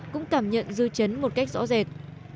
cũng cảm nhận dư chấn một cách rõ rệt